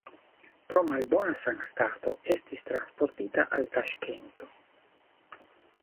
Pro malbona sanstato estis transportita al Taŝkento.